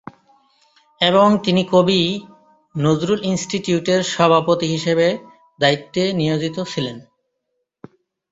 এবং তিনি কবি নজরুল ইনস্টিটিউটের সভাপতি হিসেবে দায়িত্বে নিয়োজিত ছিলেন।